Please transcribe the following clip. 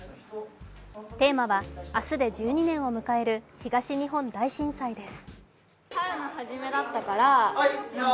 テーマは明日で１２年を迎える東日本大震災です。